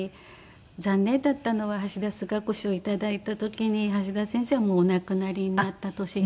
残念だったのは橋田壽賀子賞をいただいた時に橋田先生はもうお亡くなりになった年で。